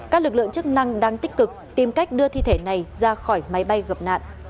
các lực lượng chức năng đang tích cực tìm cách đưa thi thể này ra khỏi máy bay gặp nạn